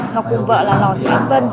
ngọc cùng vợ là lò thủy yến vân